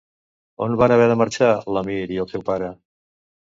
On van haver de marxar l'Amir i el seu pare?